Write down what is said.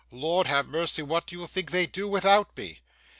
'Lord ha' mercy, what do you think they'd do without me?